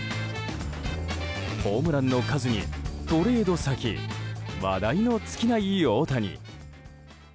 ホームランの数にトレード先話題の尽きない大谷。